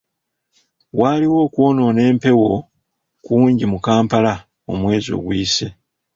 Waaliwo okwonoona empewo kungi mu Kampala omwezi oguyise.